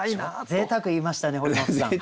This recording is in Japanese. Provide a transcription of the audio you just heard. ぜいたく言いましたね堀本さん。